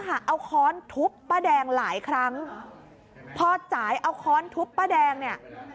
เอาค้อนทุบป้าแดงหลายครั้งพอจ่ายเอาค้อนทุบป้าแดงเนี่ย